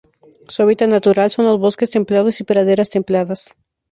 Su hábitat natural son los bosques templados y praderas templadas.